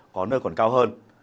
có nơi còn cao hơn